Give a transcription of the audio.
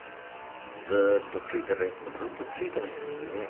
ずーっとついてるやつもずっとついてないやつもいねえ。